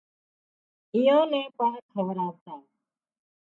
ايئان نين پڻ کوَراوتا